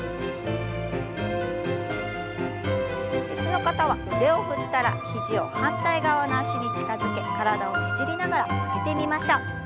椅子の方は腕を振ったら肘を反対側の脚に近づけ体をねじりながら曲げてみましょう。